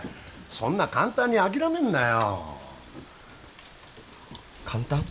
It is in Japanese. そんな簡単に諦めんなよ簡単？